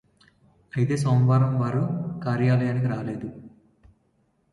అయితే సోమవారం వారు కార్యలయానికి రాలేదు